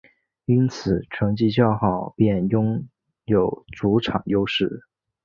因此成绩较好便拥有主场优势。